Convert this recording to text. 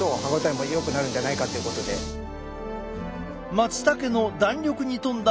マツタケの弾力に富んだ